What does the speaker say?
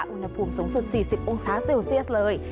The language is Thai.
อุณหภูมิสูงสุด๔๐องศาเซลเซียสเลย